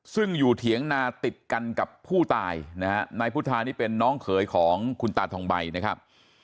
ซึ่งอยู่เถียงนาติดกันกับผู้ตายนะฮะนายพุทธานี่เป็นน้องเขยของคุณตาทองใบนะครับ